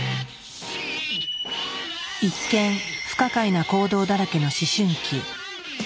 一見不可解な行動だらけの思春期。